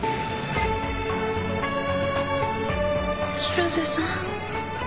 広瀬さん？